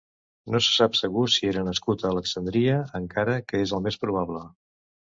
No se sap segur si era nascut a Alexandria encara que és el més probable.